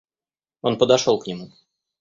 Он подошел к нему.